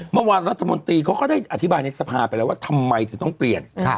เมื่อวานรัฐมนตรีเขาก็ได้อธิบายในสภาไปแล้วว่าทำไมถึงต้องเปลี่ยน